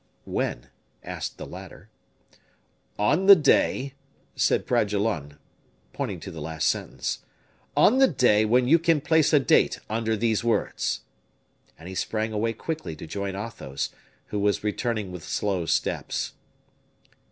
"When?" asked the latter. "On the day," said Bragelonne, pointing to the last sentence, "on the day when you can place a date under these words." And he sprang away quickly to join Athos, who was returning with slow steps.